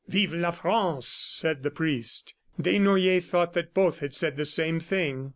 "Vive la France!" said the priest. Desnoyers thought that both had said the same thing.